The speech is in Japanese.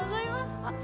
あっ。